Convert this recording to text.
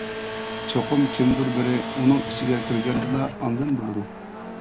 چوقۇم كىمدۇر بىرى ئۇنىڭ ئىچىگە كىرگەندىلا، ئاندىن بولىدۇ.